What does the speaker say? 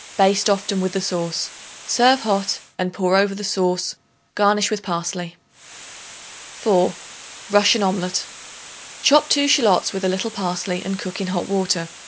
Baste often with the sauce. Serve hot, and pour over the sauce; garnish with parsley. 4. Russian Omelet. Chop 2 shallots with a little parsley and cook in hot water.